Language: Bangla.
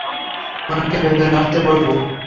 উনাকে ভেতরে আসতে বলব?